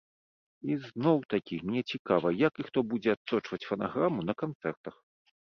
І зноў-такі, мне цікава як і хто будзе адсочваць фанаграму на канцэртах.